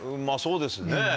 まぁそうですね。